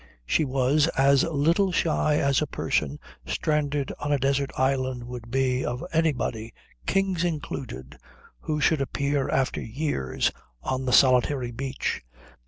She was as little shy as a person stranded on a desert island would be of anybody, kings included, who should appear after years on the solitary beach.